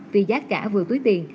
vì giá cả vừa túi tiền